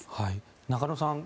中野さん